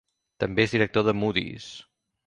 També és director de Moody's.